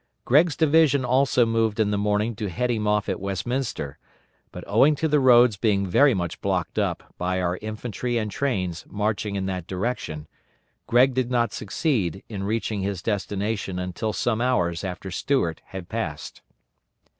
Gregg's division also moved in the morning to head him off at Westminster, but owing to the roads being very much blocked up by our infantry and trains marching in that direction, Gregg did not succeed in reaching his destination until some hours after Stuart had passed.